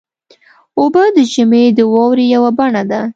اوبه د ژمي د واورې یوه بڼه ده.